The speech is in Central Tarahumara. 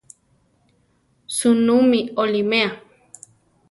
¿Sunú mi oliméa?